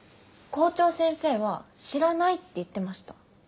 校長先生は「知らない」って言ってました。